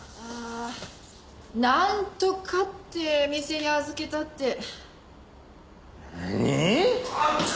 あーなんとかって店に預けたって。